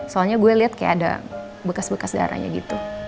soalnya gue liat kayak ada bekas bekas darahnya gitu